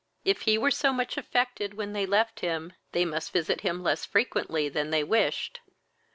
If he were so much affected when they left him, they must visit him less frequently than they wished.